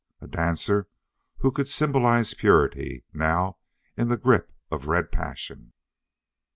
A dancer who could symbolize purity, now in the grip of red passion.